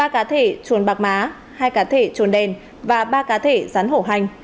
ba cá thể chuồn bạc má hai cá thể chuồn đèn và ba cá thể rắn hổ hành